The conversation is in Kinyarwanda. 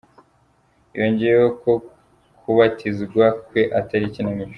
Yongeyeho ko kubatizwa kwe atari ikinamico.